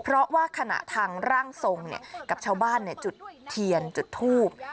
เพราะว่าขณะทางร่างทรงกับชาวบ้านจุดเทียนจุดทูบ